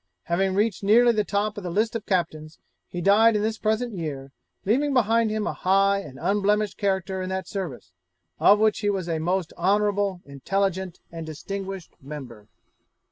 Having reached nearly the top of the list of captains, he died in this present year, leaving behind him a high and unblemished character in that service, of which he was a most honourable, intelligent, and distinguished member.